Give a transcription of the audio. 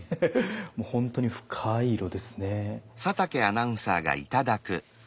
本当に深い色ですね。